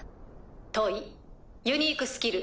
問ユニークスキル